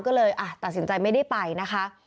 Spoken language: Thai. ก็เลยตัดสินใจไม่ได้ไปนะคะ